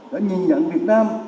đã nhìn nhận việt nam